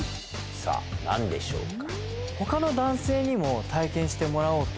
さぁ何でしょうか？